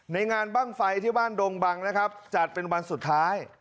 ในงานบ้างไฟที่บ้านดงบังนะครับจัดเป็นวันสุดท้าย